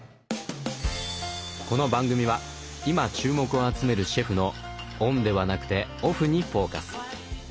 この番組は今注目を集めるシェフのオンではなくてオフにフォーカス。